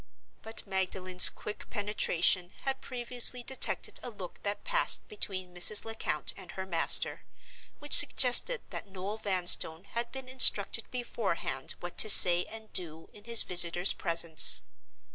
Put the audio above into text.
But Magdalen's quick penetration had previously detected a look that passed between Mrs. Lecount and her master, which suggested that Noel Vanstone had been instructed beforehand what to say and do in his visitor's presence.